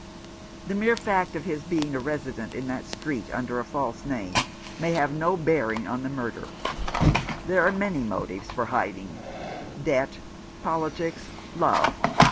The mere fact of his being a resident in that street under a false name may have no bearing on the murder ; there are many motives for hiding — debt, politics, love.